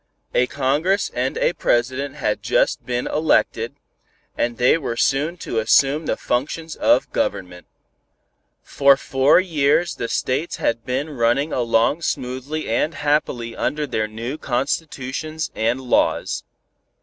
A Congress and a President had just been elected, and they were soon to assume the functions of government. For four years the States had been running along smoothly and happily under their new constitutions and laws.